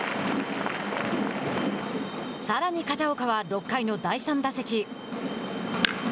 さらに片岡は６回の第３打席。